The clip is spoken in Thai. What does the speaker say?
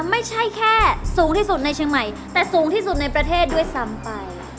ไม่ใช่แค่สูงที่สุดในเชียงใหม่แต่สูงที่สุดในประเทศด้วยซ้ำไป